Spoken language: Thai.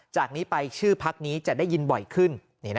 จากนี้ไปชื่อพักนี้จะได้ยินบ่อยขึ้น